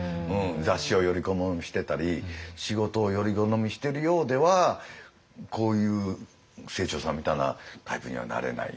雑誌をより好みしてたり仕事をより好みしてるようではこういう清張さんみたいなタイプにはなれない。